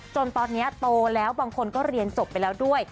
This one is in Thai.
จนตอนนี้โตแล้วบางคนก็เรียนจบไปแล้วด้วย